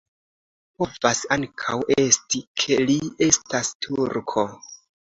Povas ankaŭ esti, ke li estas turko.